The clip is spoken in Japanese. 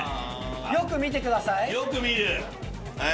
よく見てください。